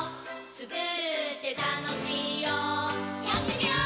つくるってたのしいよやってみよー！